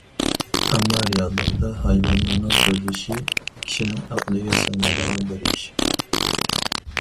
ئەمما، رېئاللىقتا، ھايۋانلارنىڭ سۆزلىشى كىشىنىڭ ئەقلىگە سىغمايدىغان بىر ئىش.